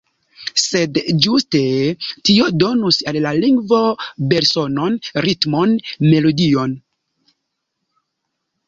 Sed ĝuste tio donus al la lingvo belsonon, ritmon, melodion.